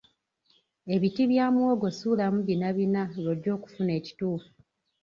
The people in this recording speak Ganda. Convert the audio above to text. Ebiti bya muwogo suulamu bina bina lw'ojja okufuna ekituufu.